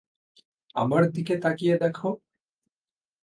আমার দিকে তাকিয়ে দেখ।